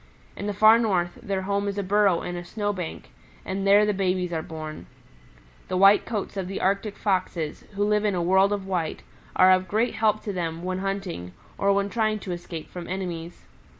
In the Far North, their home is a burrow in a snow bank, and there the babies are born. The white coats of the Arctic Foxes, who live in a world of white, are of great help to them when hunting, or when trying to escape from enemies.